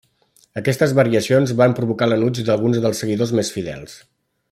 Aquestes variacions van provocar l'enuig d'alguns dels seguidors més fidels.